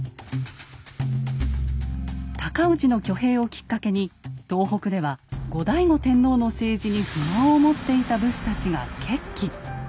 尊氏の挙兵をきっかけに東北では後醍醐天皇の政治に不満を持っていた武士たちが決起。